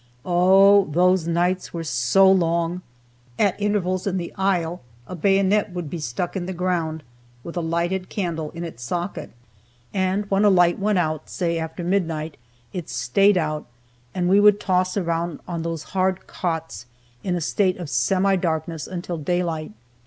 Oh, those nights were so long! At intervals in the aisle a bayonet would be stuck in the ground with a lighted candle in its socket, and when a light went out, say after midnight, it stayed out, and we would toss around on those hard cots in a state of semi darkness until daylight.